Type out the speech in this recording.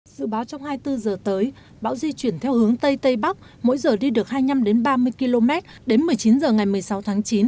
dự báo trong hai mươi bốn giờ tới bão di chuyển theo hướng tây tây bắc mỗi giờ đi được hai mươi năm ba mươi km đến một mươi chín h ngày một mươi sáu tháng chín